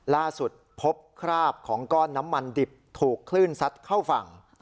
ล่าสุดพบคราบของก้อนน้ำมันดิบถูกคลื่นซัดเข้าฝั่ง